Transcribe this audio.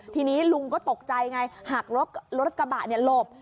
ทีนี้ลุงก็ตกใจไงหักรถกระบะหลบ